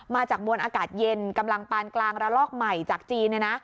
มาจากมวลอากาศเย็นกำลังปานกลางระลอกใหม่จากจีน